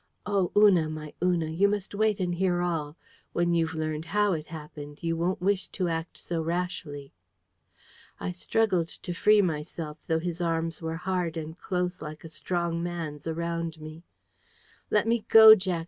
Oh! Una, my Una, you must wait and hear all. When you've learned HOW it happened, you won't wish to act so rashly." I struggled to free myself, though his arms were hard and close like a strong man's around me. "Let me go, Jack!"